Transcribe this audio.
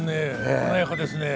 華やかですね。